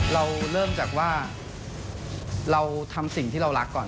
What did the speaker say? เราเริ่มจากว่าเราทำสิ่งที่เรารักก่อน